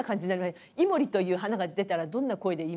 「井森」という花が出たらどんな声で言いますか？